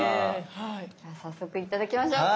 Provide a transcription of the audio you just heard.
では早速頂きましょうか！